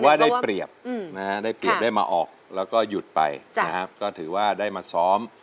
ว่าได้เปรียบนะฮะได้เปรียบได้มาออกแล้วก็หยุดไปนะครับก็ถือว่าได้มาซ้อม